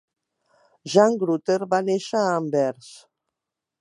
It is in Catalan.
Jan Gruter va néixer a Anvers.